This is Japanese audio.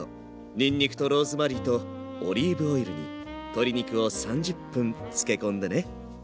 にんにくとローズマリーとオリーブオイルに鶏肉を３０分つけこんでね。